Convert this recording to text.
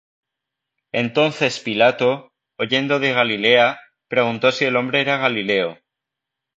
Entonces Pilato, oyendo de Galilea, preguntó si el hombre era Galileo.